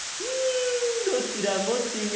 どちらもちがうぞ！